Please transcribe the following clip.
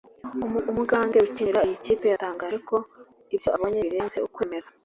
Umugande ukinira iyi kipe yatangaje ko ibyo abonye birenze ukwemera